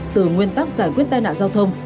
từ nguyên tắc giải quyết tai nạn giao thông